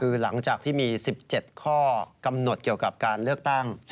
คือหลังจากที่มี๑๗ข้อกำหนดเกี่ยวกับการเลือกตั้ง